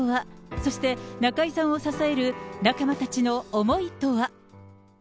そして、中居さんを支える仲間たちの思いとは。